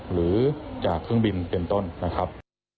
หรือจากเครื่องบินเป็นต้นนะครับ